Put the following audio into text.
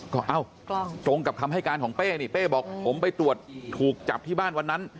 ก็เอ้าตรงกับคำให้การของเป้นี่เป้บอกผมไปตรวจถูกจับที่บ้านวันนั้น